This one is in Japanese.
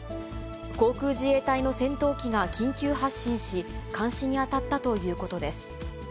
航空自衛隊の戦闘機が緊急発進し、監視に当たったということです。